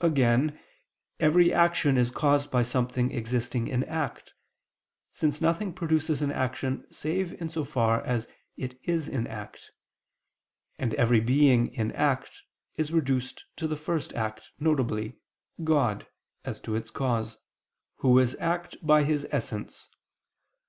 Again every action is caused by something existing in act, since nothing produces an action save in so far as it is in act; and every being in act is reduced to the First Act, viz. God, as to its cause, Who is act by His Essence.